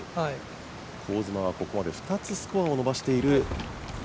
香妻はここまで２つスコアを伸ばしてきています。